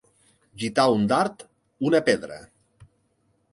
Gitar un dard, una pedra.